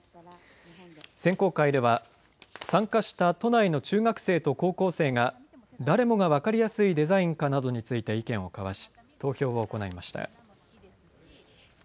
選考会では参加した都内の中学生と高校生が誰もが分かりやすいデザインかなどについて意見を交わし投票を行いました。